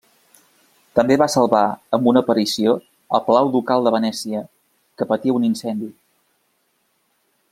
També va salvar, amb una aparició, el Palau Ducal de Venècia, que patia un incendi.